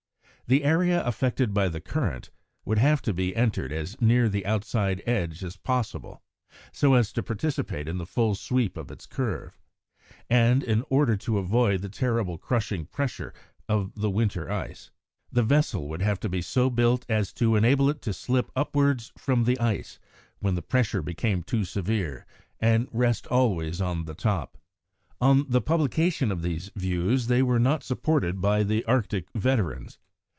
The area affected by the current would have to be entered as near the outside edge as possible, so as to participate in the full sweep of its curve, and, in order to avoid the terrible crushing pressure of the winter ice, the vessel would have to be so built as to enable it to slip upwards from the ice, when the pressure became too severe, and rest always on the top. On the publication of these views, they were not supported by the Arctic veterans.